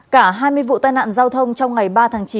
cả hai mươi vụ tai nạn giao thông trong ngày ba tháng chín